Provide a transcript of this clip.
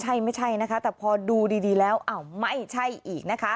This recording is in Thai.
ใช่ไม่ใช่นะคะแต่พอดูดีแล้วอ้าวไม่ใช่อีกนะคะ